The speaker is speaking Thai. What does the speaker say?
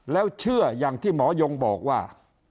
แล้วเชื่ออย่างที่หมอยงบอกว่า